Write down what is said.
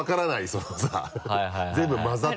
そのさ全部混ざった。